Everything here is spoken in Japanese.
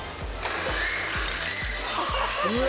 うわ。